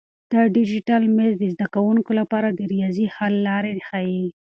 دا ډیجیټل مېز د زده کونکو لپاره د ریاضي حل لارې ښیي.